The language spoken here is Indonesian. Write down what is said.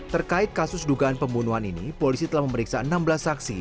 terkait kasus dugaan pembunuhan ini polisi telah memeriksa enam belas saksi